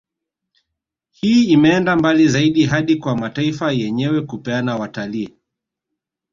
Hii imeenda mbali zaidi hadi kwa mataifa yenyewe kupeana watalii